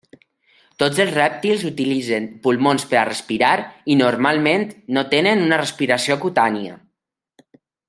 Tots els rèptils utilitzen pulmons per a respirar, i normalment no tenen una respiració cutània.